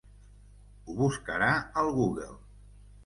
Ho buscarà al Google.